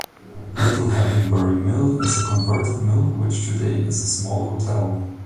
Little Hallingbury Mill is a converted mill which today is a small hotel.